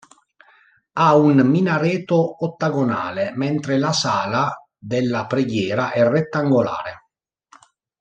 Ha un minareto ottagonale, mentre la sala della preghiera è rettangolare.